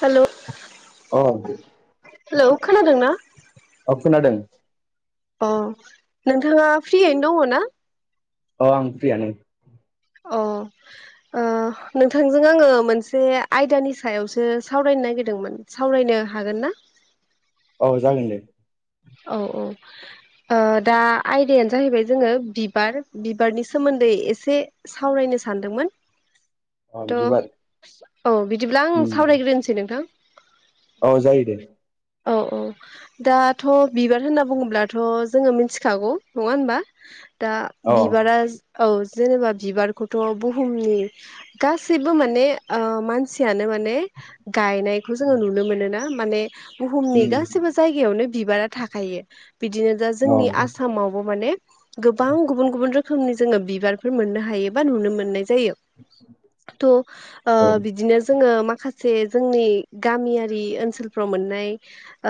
Hello अ hello खोनादों ना औ खोनादों अ नोंथाङा फ्रियैनो दङ ना अ आं फ्रियानो अ नोंथांजों आङो मोनसे आयदानि सायावसो सावरायनो नागिरदोंमोन सावराय नो हागोन ना औ जागोन दे औ औ ओ दा आयदायानो जाहैबाय जोङो बिबार बिबारनि सोमोन्दै एसे सावरायनो। सदोंमोन अ थ बिबार औ बिदिब्ला आं उम सावरायग्रोनोसै नोंथां औ जायो दे औ औ दा थ' बिबार होनना बुङोब्लाथ' जोङो मिथिखागौ नङा होनबा। दा अ बिबारा औ जेनेबा बिबारखौथ' बुहुमनि गासैबो माने मानसियानो माने गनायखौ जो नुनो मोन ना माने बुहुमनि उम गासिबो जनो बिबारा थाखायो बिदिनो दा अ जोंनि आसामावबो माने गोबां गुबुन गुबुन रोखोमनि जोङो बिबारफोर मोननो हायो बा नुनो मोननाय जायो ट औ बिदिनो जोङो मा माखासे जोंनि गामियारि ओनसोलफ्राव मोननाय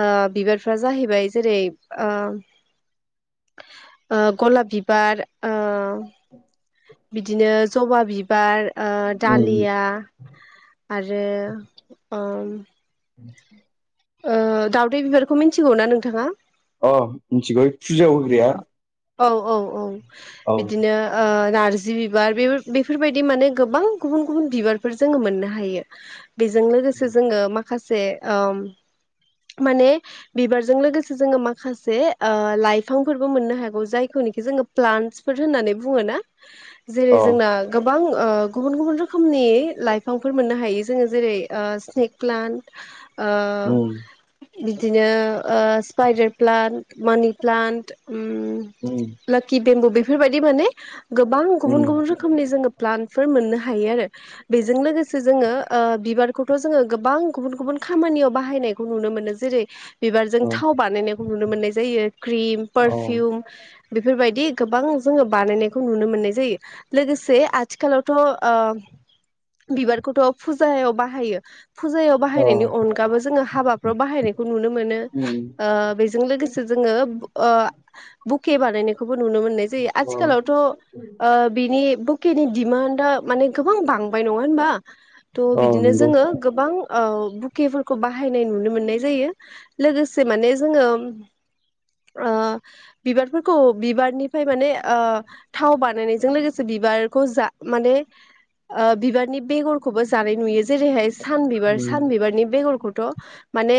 ओ बिबार फ्रा जाहैबाय जेरै गलाप बिबार ओ बिदिनो जबा बिबार उम दालिया आरो ओम [inaudible] ओ दावदै बिबारखौ मिथिगौ ना नोंथाङा? अ मिथिगौ फुजायाव होग्राया औ औ औ औ बिदिनो नारजि बिबार बे बेफोरबायदि माने गोबां गुबुन गुबुन बिबारफोर जोङो मोननो हायो। बेजों लोगोसे जोङो माखासे माने बिबारजों लोगोसे जोङो माखासे लाइफ बिफांफोरबो मोननो हागौ जायखौनोखि जोङो प्लान्टसफोर होननानै बुङ ना जेरै अ जोंना गोबां गुबुन गुबुन रोखोमनि लाइफांफोर मोननो हायो जोङो जेरै स्नेक प्लान्ट बिदिनो स्पाइडार प्लान्ट मानि प्लान्ट लोक्कि बेम्बु बेफोरबायदि माने गोबां गुबुन गुबुन रोखोमनि जोङो प्लान फोर मोननो हायो आरो बेजों लोगोसे जोङो बिबारखौथ' जोङो गोबां गुबुन गुबुन खामानि। याव बाहायनायखौ नुनो मोनो जेरै बिबारजों अ थाव बानायनायखौ नुनो मोननाय जायो क्रिम पारफिउम बेफोरबायदि गोबां जोङो बानायनायखौ नुनो मोननाय जायो लोगोसे आथिखालावथ' ओ बिबारखौथ' फुजायाव बाहायो। फुजायाव बाहायनायनि अनगाबो जोङो हाबाफ्राव बाहायनायखौ नुनो मोनो बेजों लोगोसे जों जोङो ओ बुके बानायनाय नुनो मोननाय जायो आथिखालावथ' बिनि बुकेनि दिमानआ माने गोबां बांबाय नङा होनबा थह अ बिदिनो नंगौ जोङो गोबां बुकेफोरखौ बाहायनाय नुनो मोननाय जायो लोगोसे माने जोङो अ बिबारफोरखौ बिबारनिफ्राय आ माने थाव बानायनायजों लोगोसे बिबारखौ जा माने बिबारनि बेगरखौबो जानाय नुयो जेरैहाय सानबिबार उम सानबिबारनि बेगरखौथ‌ माने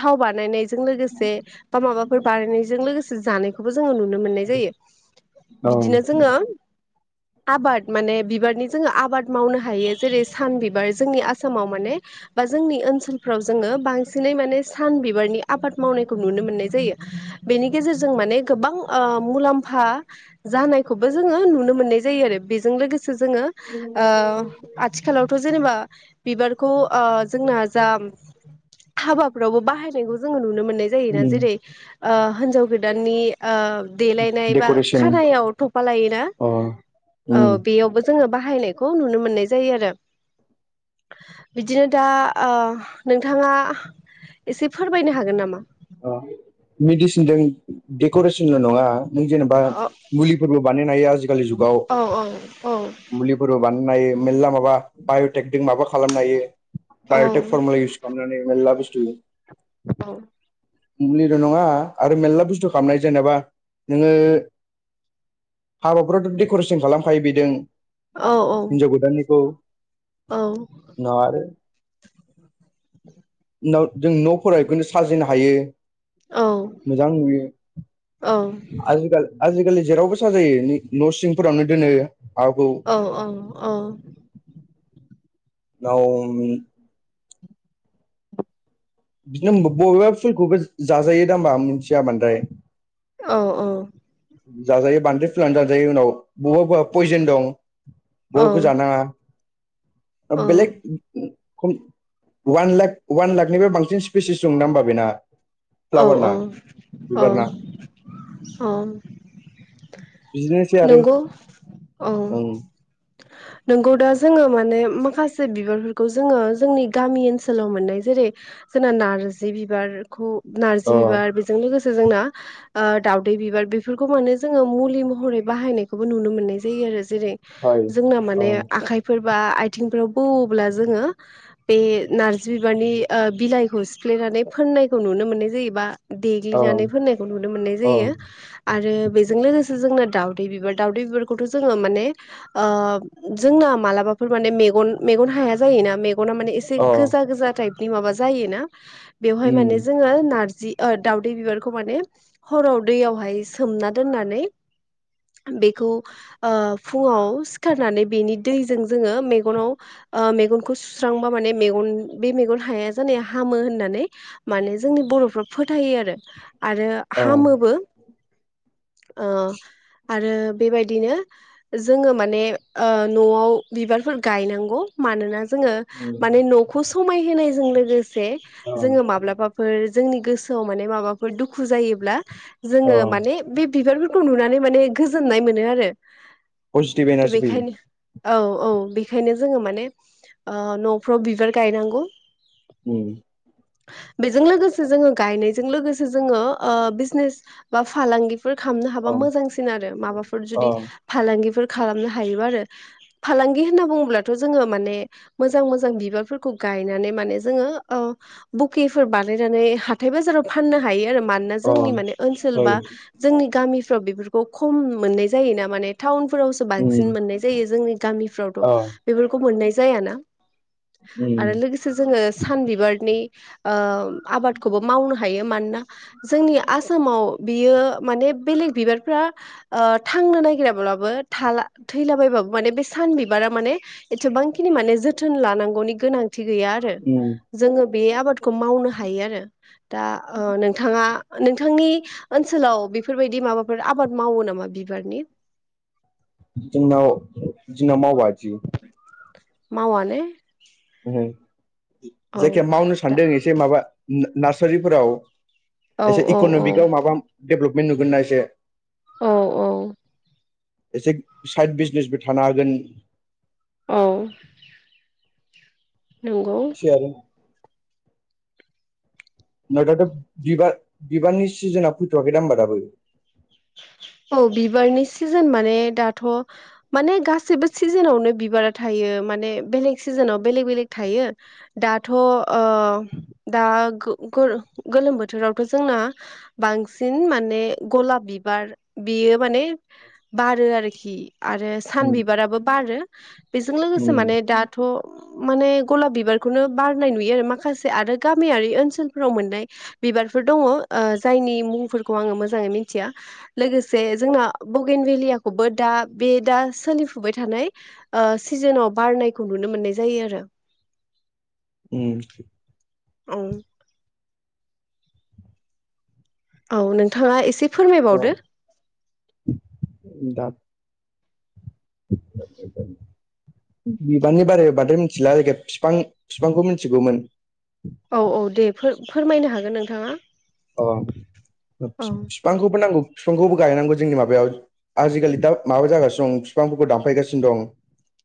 थाव बानायनायजों लोगोसे बा माबाफोर लोगोसे जानायखौबो जोङो नुनो मोननाय जायो औ बिदिनो जोङो आबाद माने बिबारनि जोङो आबाद मावनो हायो जेरै सान बिबार जोंनि आसामाव माने बा जोंनि ओनसोलफ्राव जोङो बांसिनै माने सान बिबारनि आबाद मावनायखौ नुनो मोननाय जायो। बेनि गेजेरजों माने गोबां ओ मुलाम्फा जानायखौबो जोङो नुनो मोननाय जायो आरो बेजों लोगोसे जोङो आथिखालावथ जेनेबा बिबारखौ जोंना जा हाबाफ्रावबो बाहायनायखौ जोङो नुनो मोननाय जायोना उम जेरै ओ हिन्जाव गोदाननि ओ देलायनाय बा डेक'रेसन खानायाव थफा लायोना? अ औ उम बेयावबो जोङो बाहायनायखौ नुनो मोननाय जायो आरो। [inaudible] बिदिनो दा नोंथाङा एसे फोरमायनो हागोन नामा? अ मिडसिनदों डेकरेसनल नङा नों जेनेबा औ मुलिफोरबो बानायनो हायो आजिखालि जुगाव औ औ औ मुलिफोरबो बानाय नो हायो मेरला माबा बायटेकनिक माबा खालामनो हायो। औ बायटेक फर्मुला इउस खालाम मेलला बुस्टु औ। मुलिल' नङा आरो मेलला बुस्थु खालामनाय जेनेबा नोङो हाबाफोरावथ‌ डेकरेसन खालामखायो बेदों औ औ हिनजाव गदाननिखौ औ [inaudible] उनाव आरो उनाव जों नफोराव इखौनो साजिनो हायो। औ मोजां नुयो औ [inaudible] आजिखाल आजिखालि जेरावबो साजायो न' सिंफोरावनो दोनो। माबाखौ औ औ औ। नावमि। बिदिनो बबेबा फुलखौबो जाजायो दा ओम्बा मिथिया बांद्राय औ औ। जाजायो बांद्राय फुलानै जाजायो उनाव बबेबा बबेबा पयजेन दं। औ बबेखौ जानाङा [inaudible] बेलेग खम वान लाक वान लाखनिफ्राय बांसिन स्पिसिस दां ओम्बा बेना। औ औ फ्लावारना औ बिबारना औ। बिदिनोसै [inaudible] आरो नंगौ औ। ओं नोंगौ दा जोङो माने माखासे बिबारफोरखौ जोङो जोंनि गामि ओनसोलाव मोननाय जेरै जोंना नार्जि बिबारखौ नार्जि अ बिबार बेजों लोगोसे जोंना दावदै बिबार बेफोरखौ माने जोङो मुलि महरै बाहायनायखौबो नुनो मोननाय जायो आरो। जेरै हय जोंना अ माने आखाइफोर बा आइ थिंफ्राव बौओब्ला जोङो बे नारजि बिबारनि आ बिलाइखौ सिफ्लेनानै फोन फोननायखो नुनो मोननाय जायो बा अ देग्लिनानै फोननायखौ नुनो मोननाय अ जायो आरो बेजों लोगोसे जोंना दावदै बिबार दावदै बिबारखौथ जोंओ माने ओ जोंना‌ मालाबाफोर माने मे मेगन‌ मेगन‌ हाया जायोना। माने एसे अ गोजा गोजा टाइपनि माबा जायोना बेवहाय माने उम जोङो नारजि ओ दाउदै बिबारखौ माने हराव दैयावहाय सोमना दोननानै बेखौ फुङाव सिखारनानै बेनि दैजों जोङो मेगनाव मेगनखौ सुस्रांबा माने मेग बे मेगन हाया जानाया हामो होननानै माने जोंनि बर फोरा‌ फोथायो आरो आरो अ हामोबो। ओ आरो बेबायदिनो जोङो माने ओ नआव बिबारफोर गायनांगौ। मानोना जोङो उम माने नखौ समायहायजों लोगोसे अ जोङो माब्लाबाफोर जोंनि गोसोआव माने माबाफोर दुखु जायोब्ला अ जोङो माने बे बिबारफोरखौ नुनानै माने गोजोननाय मोनो आरो। पजिटिभ थ' इनारजी फैयो। बेखायनो औ औ बेखायनो जोङो माने ओ न'फ्राव बिबार गायनांगौ। उम। बेजों लोगोसे जोङो गायनायजों लोगोसे जोङो ओ बिजनेस बा फालांगि खालामनो हाबा अ मोजांसिन आरो माबाफोर अ जुदि फालांगिफोर खालामनो हायोबा आरो। फालांगि होनना बुङोब्लाथ' जोङो माने मोजां मोजां बिबारफोरखौ गायनानै माने जोङो ओ बकिफोर बानाय नानै हाथाय बाजाराव फाननो हायो आरो। मानोना अ जोंनि माने ओनसोल बा ओइ जोंनि गामि फोराव खम मोननाय जायोना माने टाउन फोरावसो बांसिन उम मोननाय जायो जोंनि गामिफ्रावथ' अ बेफोरखौ मोननाय जायाना उम आरो लोगोसे जोङो सान बिबारनि ओ आबादखौबो मावनो हायो। मानोना जोंनि आसामाव बियो माने बेलेग बिबारफ्रा ओ थांनो नागिराब्लाबो थाला थैलाबायबा माने बे सान बिबारा माने एसेबांखिनि माने जोथोन लानांगौनि गोनां थिगैया आरो उम जोङो बे आबादखौ मावनो हायो आरो दा ओ नोंथाङा नोंथांनि ओनसोलाव बेफोरबायदि माबाफोर आबाद मावो नामा बिबारनि? जोंनाव जोंनाव मावा इदि। मावा ने? ओहो औ जायखिया मावनो दा सानदों एसे माबा नार्सारिफोराव औ एसे औ औ इकन'मिकाव माबा डेभेलपमेन्ट नुगोनना एसे? औ औ। एसे साइड बिजनेसबो थानो हागोन औ नंगौ? [unintelligible] होमबा दाथ' बिबार बिबारनि सिजोना फैथ'वाखै दां होमबा दाबो? बे दाथ माने गासैबो सिजोनावनो बिबारा थायो माने बेलेग सिजोनाव बेलेग बेलेग थायो दाथ' ओ दा ग ग गोलो गोलोम बोथोरावथ' जोंना बांसिन माने गलाब बिबार बियो माने बारो आरोखि आरो सान उम बिबाराबो बारो बेजों लोगोसे माने दाथ' माने गलाब बिबारखौनो बारनाय नुयो आरो माखासे आरो गामियारि ओनसोलफोराव मोननाय बिबार फोर दङ ओ जायनि मुंफोरखौ आङो मोजाङै मिथिया। लोगोसे जोंना बगेन भेलियाखौबो दा बे दा सोलिफुबाय थानाय ओ सिजोनाव बारनायखौ नुनो मोननाय जायो आरो। ओ। औ। औ नोंथाङा एसे अ फोरमायबावदो। दा [unintelligible] बिबारनि बारै बाद्राय मिथिला फिफां फिफांखौ मिथिगौमोन औ औ दे फोर फोरमायनो हागोन नोंथाङा? अ औ फिफांखौबो नांगौ फिफांखौबो गायनांगौ जोंनि माबायाव आजिखालि दा माबा जागासिनो दं फिफांफोरखौ दानफायगासिनो दं।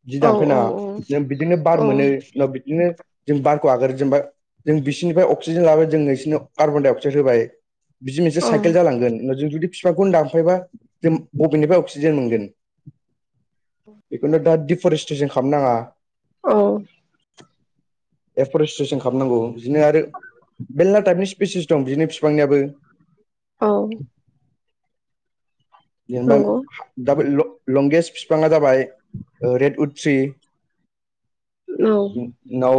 बिदि औ औ औ दानफायनाङा बिदिनो बार मोनो उनाव बिदिनो जों बारखौ आगारो जेनबाय जों बिसिोरनिफ्राय अक्सिजेन लाबो जों बिसोरनो कार्बन डाइ अक्साइद होबाय बिदिनो एसे औ साइकेल जालांगोन नों जों जुदि फिफांखौनो दानफायबा जों बबेनिफ्राय अक्सिजेन मोनगोन? बेखौनो दा डिफारेस्ट्रेसन खालामनांङा। औ औ एफरेस्ट्रेसन खालामनांगौ बिदिनो आरो मेरला टाइपनि स्पेसिस दं बिनि फिफांनियाबो औ। जेनबा नंगौ हा‌ दाबिदल' लंगेस्ट बिफांङा जाबाय ओ रेड उद ट्रि उनाव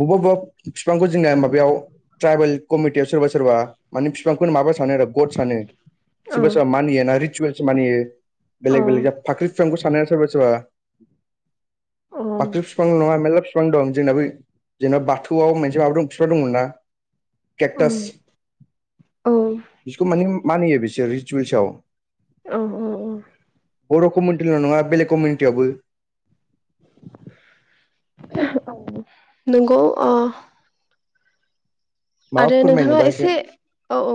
बबेबा-बबेबा फिफांखौ जोंनिया माब बेवाउ थ्रायबेल कमिथियाव सोरबा-सोरबा माने‌ फिफांखौनो माबा सानो आरो गद सानो औ सोरबा-सोरबा मानियो ना रिसुयेल मानियो बेलेग-बेलग फाख्रि फिफांखौ सानो सोरबा-सोरबा औ फाख्रि फिफां नंङा मेरला फि फिफां दं जोंना बै जेनेबा बाथौआव मोनसे माबा दं बिफां दंना। केकटास औ बिसोरखौ माने मानियो बिसोर रिसुवेल्सआव। औ औ औ। बर' कमिनिटिल' नंङा बेलेग कमिनिटियावबो। [unintelligible] नोंगौ ओ। माबा आरो नोंथांङा फोरमायनोबा एसे औ औ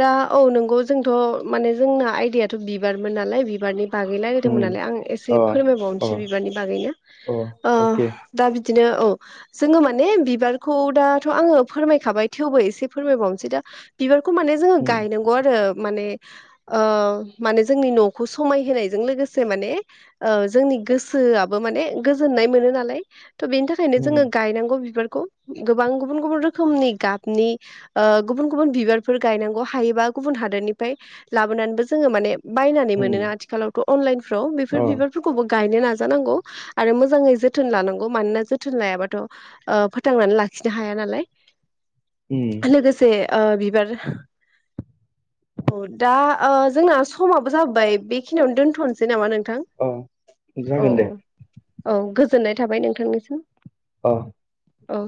दा औ नोंगौ जोंथ' माने जोंना आइदायाथ' बिबारमोन नालाय बिबारनि बागै उम रायलायदोंमोन नालाय आं एसे अ अ फोरमायबावनोसै बिबारनि बागैनो। अ ओ अके दा बिदिनो औ। जोंङो माने बिबारखौ दाथ'आंङो फोरमायखाबाय थेवबो एसे फोरमायबावनोसै दा बिबारखौ खौ माने जोंङो उम गायनांगौ आरो माने ओ माने जोंनि न'खौ समायहोनायजों लोगोसे माने ओ जोंनि गोसो आबो माने गोजोननाय मोनो नालाय। थ' बेनि थाखायनो जोंङो उम गायनांगौ बिबारखौ गोबां गुबुन गुबुन रोखोम खोमनि गाबनि ओ गुबुन गुबुन बिबारफोर गायनांगौ हायोबा गुबुन हादोरनिफ्राय लाबो लाबोनानैबो जोंङो माने बायनानै मोनो उम आथिखालावथ' अनलाइनफोराव बेफोर अ बिबारफोरखौबो गायनो नाजानांगौ आरो मोजांङै जोथोन लानांगौ मानोना जोथोन लायाबाथ' ओ फोथांनानै लाखि खिनो हाया नालाय। उम लोगोसे ओ बिबार अ दा ओ जोंना समाबो जाबोबाय बेखिनियावनो दोनथ'नोसै नामा नों अ जागोन दे। औ गोजोननाय थाबाय नोंथांनिसिम। औ।